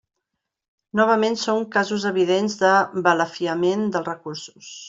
Novament són casos evidents de balafiament de recursos.